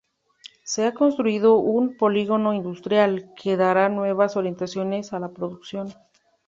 Se ha construido un polígono industrial, que dará nuevas orientaciones a la producción.